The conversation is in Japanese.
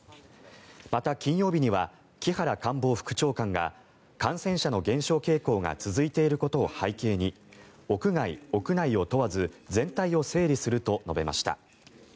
また、金曜日には木原官房副長官が感染者の減少傾向が続いていることを背景に屋外・屋内を問わず全体を整理すると述べました。